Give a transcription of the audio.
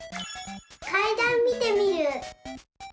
「かいだん」見てみる。